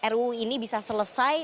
ru ini bisa selesai